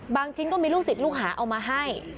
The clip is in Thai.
ชิ้นก็มีลูกศิษย์ลูกหาเอามาให้